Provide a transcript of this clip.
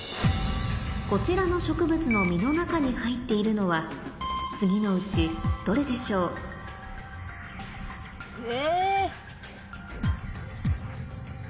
こちらの植物の実の中に入っているのは次のうちどれでしょう？え！